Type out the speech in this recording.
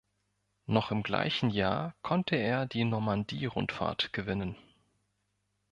Noch im gleichen Jahr konnte er die Normandie-Rundfahrt gewinnen.